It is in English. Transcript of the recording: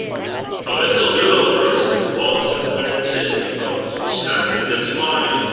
A little girl, dressed in white and wearing safety goggles, is standing and smiling.